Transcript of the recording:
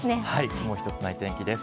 雲一つない天気です。